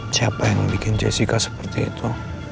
siapa yang bikin jessica seperti itu